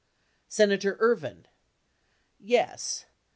Senator Ervin. Yes.